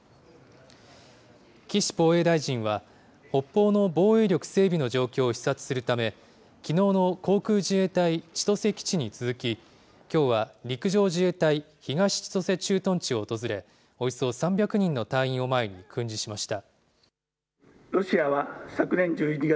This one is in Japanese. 岸防衛大臣は、北方の防衛力整備の状況を視察するため、きのうの航空自衛隊千歳基地に続き、きょうは陸上自衛隊東千歳駐屯地を訪れ、およそ３００人の隊員を前に訓示しました。